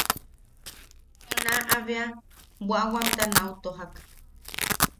Junaʼa bea bwaʼamta neu tojak.